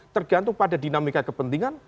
tergantung pada dinamika kepentingan